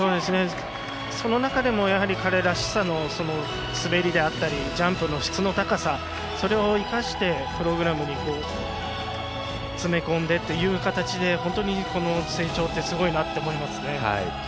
その中でも彼らしさの滑りであったりジャンプの質の高さそれを生かしてプログラムに詰め込んでという形で本当に、この成長はすごいなと思いますね。